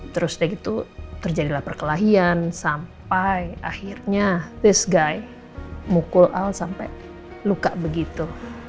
terus setelah itu terjadilah perkelahian sampai akhirnya this guy mukul el sampai luka begitu